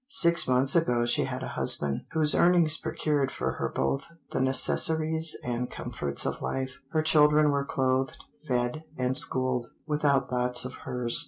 Six months ago she had a husband, whose earnings procured for her both the necessaries and comforts of life; her children were clothed, fed, and schooled, without thoughts of hers.